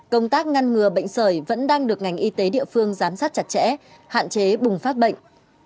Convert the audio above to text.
công tác ngăn ngừa bệnh sởi vẫn đang được ngành y tế địa phương giám sát chặt chẽ hạn chế bùng phát bệnh